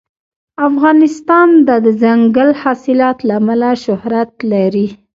افغانستان د دځنګل حاصلات له امله شهرت لري.